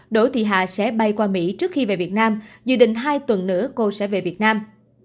đỗ thị hà sẽ bay qua mỹ trước khi về việt nam dự định hai tuần nữa cô sẽ về việt nam